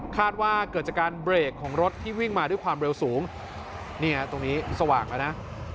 ว่าเกิดจากการเบรกของรถที่วิ่งมาด้วยความเร็วสูงเนี่ยตรงนี้สว่างแล้วนะ